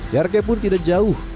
jarka pun tidak jauh